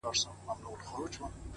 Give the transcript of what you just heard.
هوښیار انسان د احساساتو لار سموي